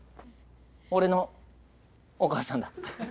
俺のお母さんだ。